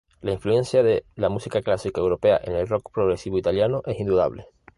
La influencia de la música clásica europea en el rock progresivo italiano es indudable.